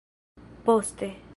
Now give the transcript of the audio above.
poste